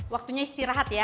waktunya istirahat ya